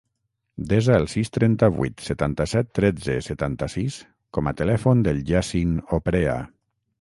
Desa el sis, trenta-vuit, setanta-set, tretze, setanta-sis com a telèfon del Yassin Oprea.